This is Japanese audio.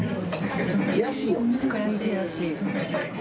・悔しいよね。